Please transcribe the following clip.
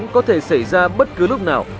có thể xảy ra bất cứ lúc nào